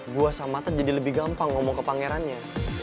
gue sama mata jadi lebih gampang ngomong ke pangerannya